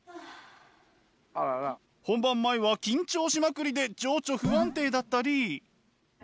本番前は緊張しまくりで情緒不安定だったり。